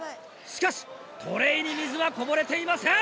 しかしトレーに水はこぼれていません！